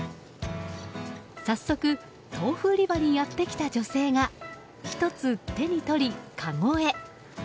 早速豆腐売り場にやってきた女性が１つ手に取り、かごへ。